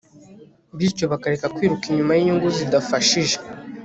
bityo bakareka kwiruka inyuma y'inyungu zidafashije